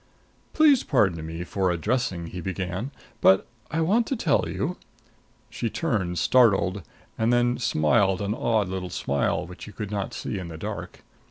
"Please pardon me for addressing " he began. "But I want to tell you " She turned, startled; and then smiled an odd little smile, which he could not see in the dark.